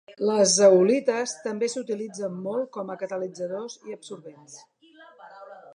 Les zeolites també s'utilitzen molt com a catalitzadors i absorbents.